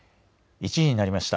１時になりました。